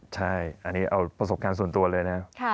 ใช่อันนี้เอาประสบการณ์ส่วนตัวเลยนะ